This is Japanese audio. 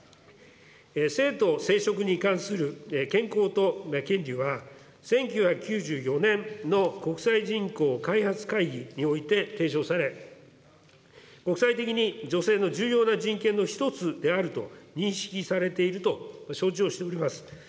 性と生殖に関する健康と権利は、１９９４年の国際じんこう開発会議において提唱され、国際的に女性の重要な人権の１つであると認識されていると承知をしております。